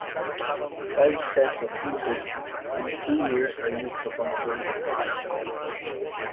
Five sets of sluices and two weirs are used to control the canal's depth.